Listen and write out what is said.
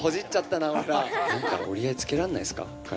なんか折り合いつけらんないです